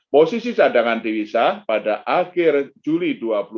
posisi cadangan devisa pada akhir juli dua ribu dua puluh